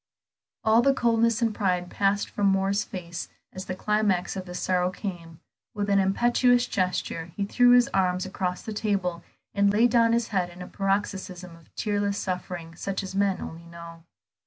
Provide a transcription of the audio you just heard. All the coldness and pride passed from Moor's face as the climax of his sorrow came; with an impetuous gesture he threw his arms across the table, and laid down his head in a paroxysm of tearless suffering such as men only know.